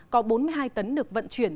có bốn mươi hai tấn được vận chuyển